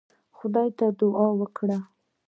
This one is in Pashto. خدای ته يې دعا وکړه.